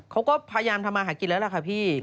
เขาก็พยายามทำมาหากินแล้วล่ะค่ะพี่